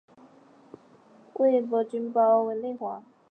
魏博军包围内黄。